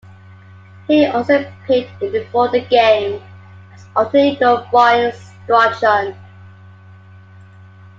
He also appeared in "Before the Game" as alter ego Bryan Strauchan.